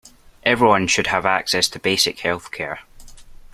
Everyone should have access to basic health-care.